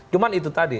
cuma itu tadi